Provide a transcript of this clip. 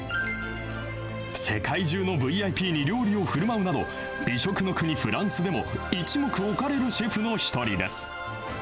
世界中のＶＩＰに料理をふるまうなど、美食の国、フランスでも一目置かれるシェフの一人です。